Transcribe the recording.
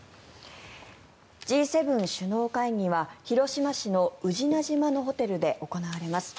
Ｇ７首脳会議は広島市の宇品島のホテルで行われます。